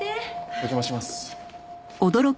お邪魔します。